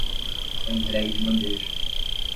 Foi entregue de bandeja